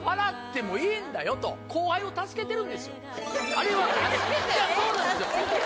あれはそうなんですよ